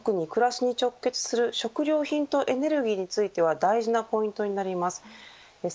特に暮らしに直結する食料品とエネルギーについては大事なポイントになります。